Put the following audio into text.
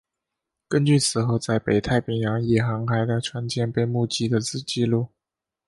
根据此后在北太平洋也航海的船舰被目击的记录。